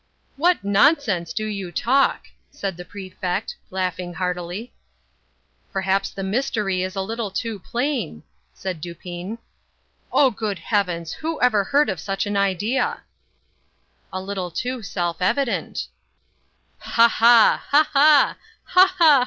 "What nonsense you do talk!" replied the Prefect, laughing heartily. "Perhaps the mystery is a little too plain," said Dupin. "Oh, good heavens! who ever heard of such an idea?" "A little too self evident." "Ha! ha! ha—ha! ha! ha!